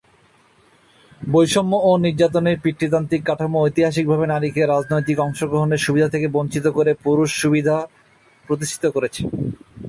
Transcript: বৈষম্য ও নির্যাতনের পিতৃতান্ত্রিক কাঠামো ঐতিহাসিকভাবে নারীকে রাজনৈতিক অংশগ্রহণের সুবিধা থেকে বঞ্চিত করে পুরুষ সুবিধা প্রতিষ্ঠিত করেছে।